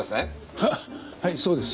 ははいそうです。